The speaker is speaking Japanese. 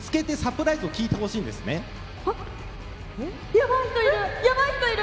やばい人いる！